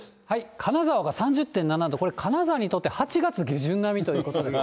金沢が３０．７度、これ、金沢にとって８月下旬並みということです。